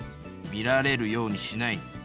見られるようにしない。